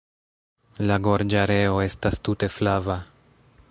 La gorĝareo estas tute flava.